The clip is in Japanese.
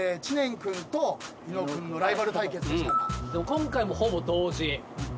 今回もほぼ同時。